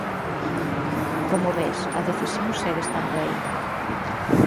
Como ves, a decisión segue estando aí...